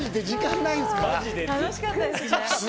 楽しかったですね。